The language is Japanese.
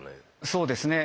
そうですね。